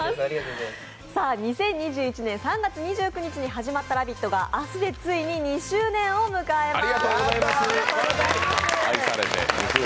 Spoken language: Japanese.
２０２１年３月２９日に始まった「ラヴィット！」が明日で、ついに２周年を迎えます。